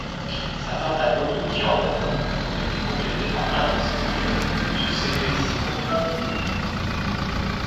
Certains tableaux de Giordano ont été complétés par l'un de ses élèves, Giuseppe Simonelli.